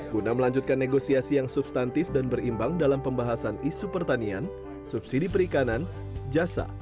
guna melanjutkan negosiasi yang substantif dan berimbang dalam pembahasan isu pertanian subsidi perikanan jasa